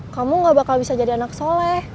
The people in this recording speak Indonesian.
kamu gak bakal bisa jadi anak soleh